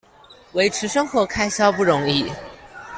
維持生活開銷不容易